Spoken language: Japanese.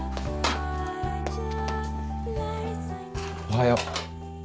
おはよう。